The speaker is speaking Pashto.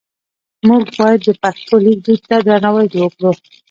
موږ باید د پښتو لیک دود ته درناوی وکړو.